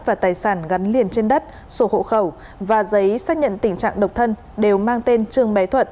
và tài sản gắn liền trên đất sổ hộ khẩu và giấy xác nhận tình trạng độc thân đều mang tên trương bé thuận